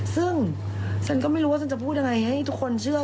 ซึ่งฉันก็ไม่รู้ว่าฉันจะพูดยังไงให้ทุกคนเชื่อ